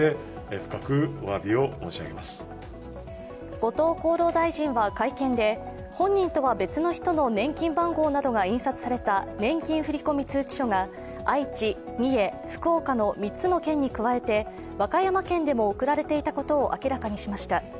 後藤厚労大臣は会見で、本人とは別の人の年金番号などが印刷された年金振込通知書が愛知、三重、福岡の３つの県に加えて和歌山県でも送られていたことを明らかにしました。